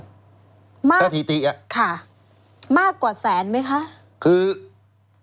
มากค่ะมากกว่าแสนไหมคะ